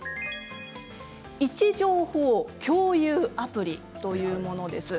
位置情報共有アプリというものです。